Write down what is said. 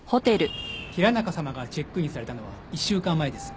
平中様がチェックインされたのは１週間前です。